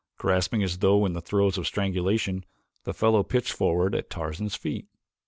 Gasping as though in the throes of strangulation the fellow pitched forward at Tarzan's feet.